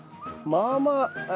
まあまあ。